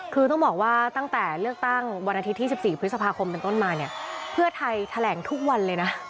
คือต้องบอกว่าตั้งแต่เลือกตั้งวันอาทิตย์ที่๑๔พฤษภาคมเป็นต้นมาเนี่ยเพื่อไทยแถลงทุกวันเลยนะ